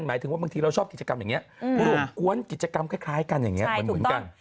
หมายถึงว่าบางทีเราชอบกิจกรรมอย่างนี้รวมกวนกิจกรรมคล้ายกันอย่างนี้เหมือนกัน